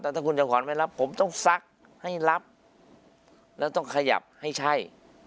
แต่ถ้าคุณจำขวัญไม่รับผมต้องซักให้รับแล้วต้องขยับให้ใช่